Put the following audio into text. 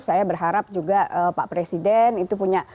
saya berharap juga pak presiden itu punya